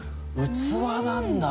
器なんだ。